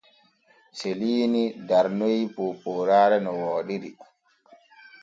Seliini darnoy poopooraare no wooɗiri.